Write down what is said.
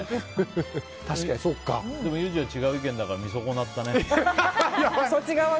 でもユージは違う意見だから見損なったね。